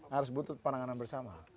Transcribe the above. harus butuh pandangan bersama